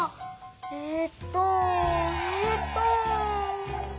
えっとえっと。